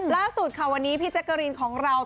ล่าสุดค่ะวันนี้พี่แจ๊กกะรีนของเรา